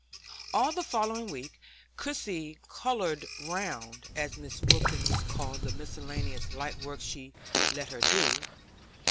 All the following week Christie "chored round," as Mrs. Wilkins called the miscellaneous light work she let her do.